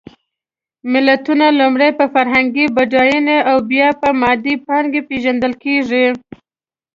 ملتونه لومړی په فرهنګي بډایېنه او بیا په مادي پانګه پېژندل کېږي.